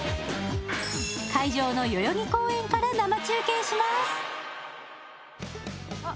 会場の代々木公園から生中継します。